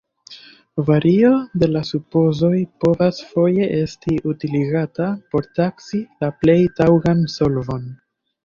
Vario de la supozoj povas foje esti utiligata por taksi la plej taŭgan solvon.